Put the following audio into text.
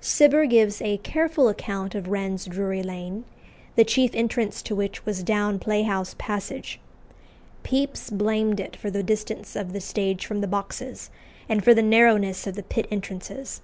Cibber gives a careful account of Wren's Drury Lane, the chief entrance to which was down Playhouse Passage. Pepys blamed it for the distance of the stage from the boxes, and for the narrowness of the pit entrances.